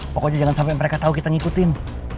pokoknya jangan sampai mereka tahu kita ngikutin